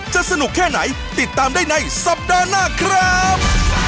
สนุกแค่ไหนติดตามได้ในสัปดาห์หน้าครับ